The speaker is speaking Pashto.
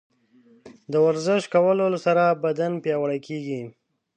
د ورزش کولو سره بدن پیاوړی کیږي.